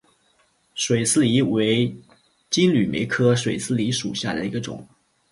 水丝梨为金缕梅科水丝梨属下的一个种。